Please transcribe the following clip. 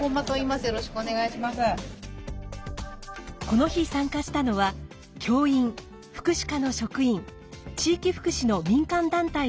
この日参加したのは教員福祉課の職員地域福祉の民間団体の人など。